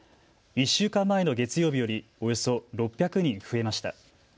１週間前の月曜日よりおよそ６００人増えました。